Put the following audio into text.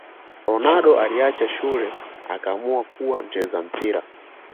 Ronaldo aliacha shule akaamua kuwa mchezaji wa mpira